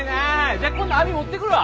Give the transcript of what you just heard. じゃあ今度網持ってくるわ。